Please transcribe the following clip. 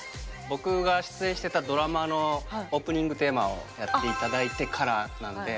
僕が出演してたドラマのオープニングテーマをやって頂いてからなんで。